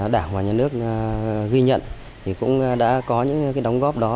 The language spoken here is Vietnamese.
đảng hoàng nhân nước ghi nhận thì cũng đã có những cái đóng góp đó